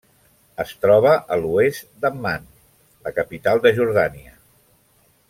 Es troba a l'oest d'Amman, la capital de Jordània.